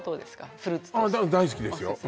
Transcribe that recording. フルーツとして大好きですよ